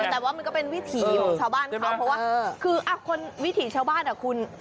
แต่ว่ามันก็เป็นวิถีของชาวบ้านเขาเพราะว่าคือคนวิถีชาวบ้านอ่ะคุณ